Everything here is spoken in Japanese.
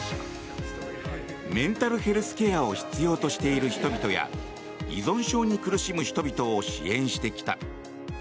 メンタルへルスケアを必要としている人々や依存症に苦しむ人々を支援してきた。